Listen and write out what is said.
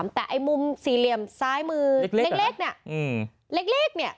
แต่มุมสี่เหลี่ยมซ้ายมือเล็กนี่